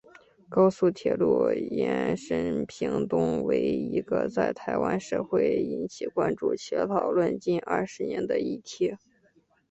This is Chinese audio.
高速铁路延伸屏东为一个在台湾社会引起关注且讨论近二十年的议题。